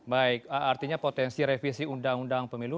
baik artinya potensi revisi undang undang pemilu